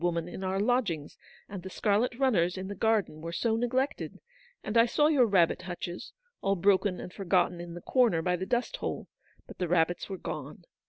woman in our lodgings, and the scarlet runners in the garden were so neglected, and I saw your rabbit hutches, all broken aud forgotten in the corner by the dust hole, but the rabbits were gone.